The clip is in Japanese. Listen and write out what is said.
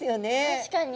確かに。